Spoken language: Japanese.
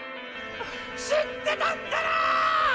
知ってたんだな！？